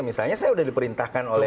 misalnya saya sudah diperintahkan oleh